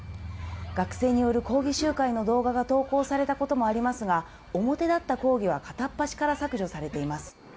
学生による抗議集会の動画が投稿されたこともありますが、表立った抗議は片っ端から削除されています。